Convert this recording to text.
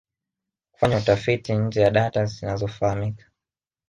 Kufanya utafiti nje ya data zinazofahamika